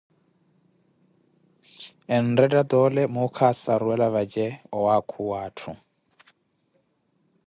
Enretta toole muuka asaruwela vaje, awaakuwa atthu.